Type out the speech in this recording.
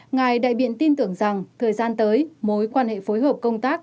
ngài đại biện tin tưởng rằng thời gian tới mối quan hệ phối hợp công tác